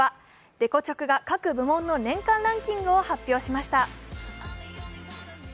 レコチョクが各部門の年間ランキングを発表しました。